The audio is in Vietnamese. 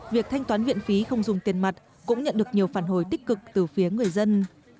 việc thanh toán viện phí không dùng tiền mặt cũng nhận được nhiều phản hồi tích cực từ phía người dân